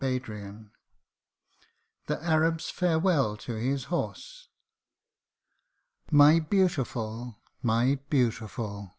269 THE ARAB'S FAREWELL TO HIS HORSE. MY beautiful ! my Beautiful